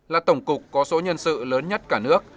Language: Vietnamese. là tổng cục có số nhân sự lớn nhất cả nước